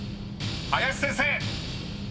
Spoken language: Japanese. ［林先生］